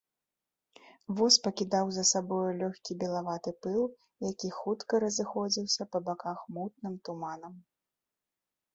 Воз пакідаў за сабою лёгкі белаваты пыл, які хутка разыходзіўся па баках мутным туманам.